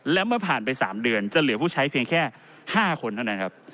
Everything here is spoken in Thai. แล้วเมื่อผ่านไป๓เดือนจะเหลือผู้ใช้เพียงแค่๕คนเท่านั้นครับ